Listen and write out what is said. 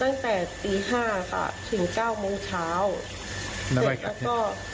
ตั้งแต่ตีห้าค่ะถึงเก้าโมงเช้าเสร็จแล้วก็